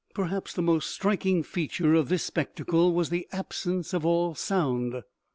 Perhaps the most striking feature of this spectacle was the absence of all sound.